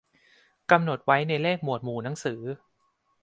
กำหนดไว้ในเลขหมดวหมู่หนังสือ